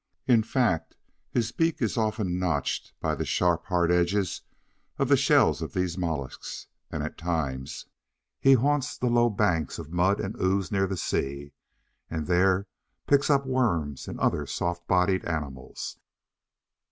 In fact, his beak is often notched by the sharp, hard edges of the shells of these molluscs; and at times, he haunts the low banks of mud and ooze near the sea, and there picks up worms and other soft bodied animals.